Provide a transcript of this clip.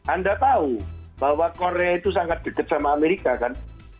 anda tahu bahwa korea itu sangat dekat sama amerika kan